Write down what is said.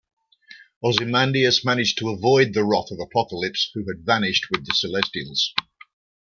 Ozymandias managed to avoid the wrath of Apocalypse, who had vanished with the Celestials.